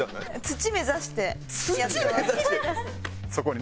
土目指してる？